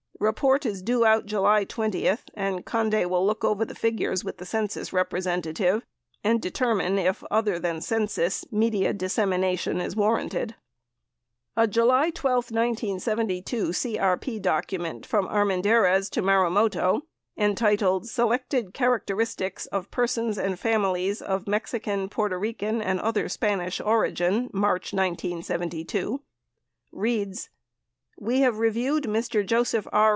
Report is due out July 20 and Conde will look over the figures with the Census representative and determine if other than Census media dissemination is war ranted. 60 A July 12, 1972 CRP document from Armendariz to Marumoto entitled, "Selected Characteristics of Persons and Families of Mexi can, Puerto Rican, and other Spanish Origin: March, 1972" reads: We have reviewed Mr. Joseph R.